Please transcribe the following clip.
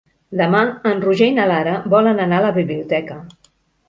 Demà en Roger i na Lara volen anar a la biblioteca.